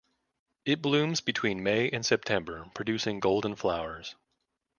It blooms between May and September producing golden flowers.